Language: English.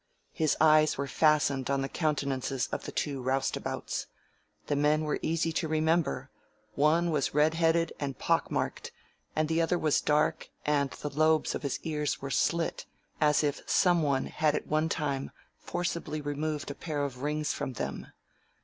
His eyes were fastened on the countenances of the two roustabouts. The men were easy to remember. One was red headed and pockmarked and the other was dark and the lobes of his ears were slit, as if some one had at some time forcibly removed a pair of rings from them.